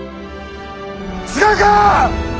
違うか！